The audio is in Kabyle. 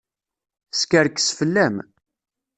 Teskerkes fell-am.